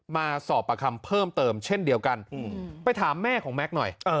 มาสอบประคำเพิ่มเติมเช่นเดียวกันไปถามแม่ของแม็กซ์หน่อย